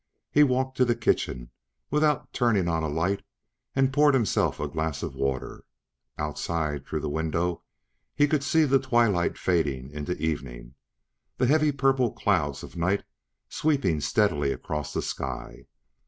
He walked to the kitchen, without turning on a light, and poured himself a glass of water. Outside, through the window, he could see the twilight fading into evening, the heavy purple clouds of night sweeping steadily across the sky.